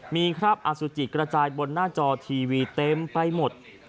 มีคราบอสุจิกระจายบนหน้าจอทีวีเต็มไปหมด